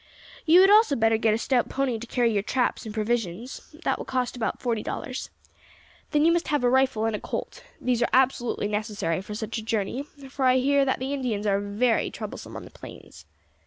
You had also better get a stout pony to carry your traps and provisions; that will cost about forty dollars. Then you must have a rifle and a Colt. These are absolutely necessary for such a journey, for I hear that the Indians are very troublesome on the plains.